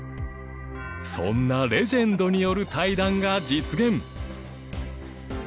そんなレジェンドによる対談が実現！